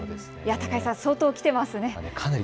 高井さん、相当きてますね。